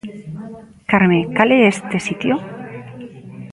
Carme, cal é este sitio?